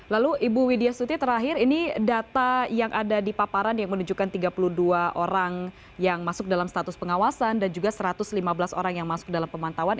lalu ibu widya suti terakhir ini data yang ada di paparan yang menunjukkan tiga puluh dua orang yang masuk dalam status pengawasan dan juga satu ratus lima belas orang yang masuk dalam pemantauan